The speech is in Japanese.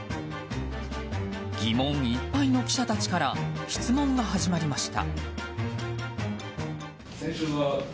疑問いっぱいの記者たちから質問が始まりました。